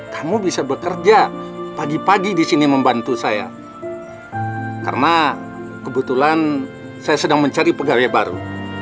kamu bisa bekerja pagi pagi di sini membantu saya karena kebetulan saya sedang mencari pegawai baru